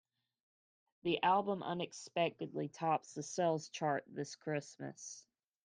The album unexpectedly tops the sales chart this Christmas.